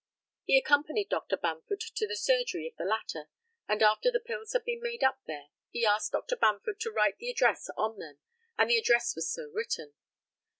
He accompanied Dr. Bamford to the surgery of the latter; and after the pills had been made up there, he asked Dr. Bamford to write the address on them, and the address was so written.